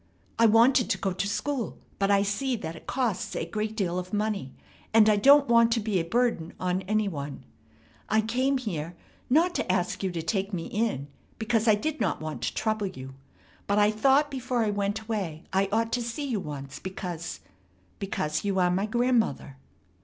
I wanted to go to school; but I see that it costs a great deal of money, and I don't want to be a burden on any one. I came here, not to ask you to take me in, because I did not want to trouble you; but I thought before I went away I ought to see you once because because you are my grandmother."